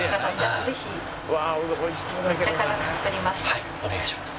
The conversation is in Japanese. はいお願いします。